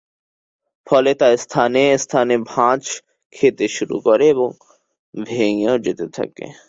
ফলে তা স্থানে স্থানে ভাঁজ খেতে শুরু করে ও ভেঙে যেতে থাকে।